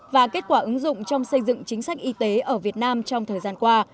và kết quả ứng dụng trong xây dựng chính sách y tế ở việt nam trong thời gian qua